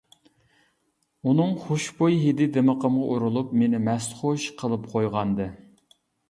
ئۇنىڭ خۇشبۇي ھىدى دىمىقىمغا ئۇرۇلۇپ مېنى مەستخۇش قىلىپ قويغانىدى.